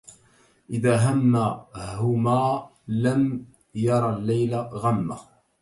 إذا هم هما لم ير الليل غمة